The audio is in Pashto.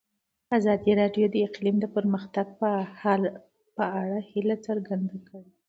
ازادي راډیو د اقلیم د پرمختګ په اړه هیله څرګنده کړې.